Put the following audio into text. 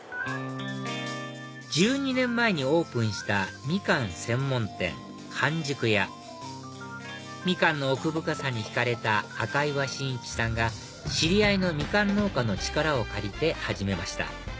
１２年前にオープンしたみかん専門店柑熟屋みかんの奥深さに引かれた赤岩伸一さんが知り合いのみかん農家の力を借りて始めました